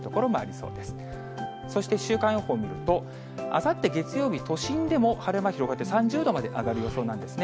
そして、週間予報を見ると、あさって月曜日、都心でも晴れ間広がって、３０度まで上がる予想なんですね。